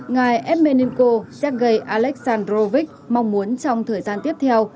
ngài edmenenko sergei aleksandrovich mong muốn trong thời gian tiếp theo